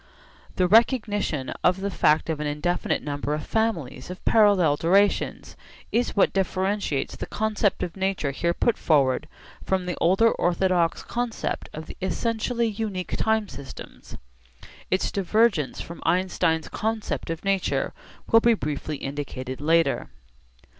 The recognition of the fact of an indefinite number of families of parallel durations is what differentiates the concept of nature here put forward from the older orthodox concept of the essentially unique time systems. Its divergence from Einstein's concept of nature will be briefly indicated later.